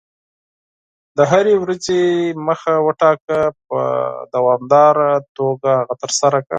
د هرې ورځې موخه وټاکه، او په دوامداره توګه هغه ترسره کړه.